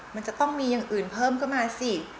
มันจะต้องมีอย่างอื่นเพิ่มขึ้นมาสิ